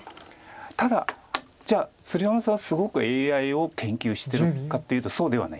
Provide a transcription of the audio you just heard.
ただじゃあ鶴山さんはすごくＡＩを研究してるかっていうとそうではないんです。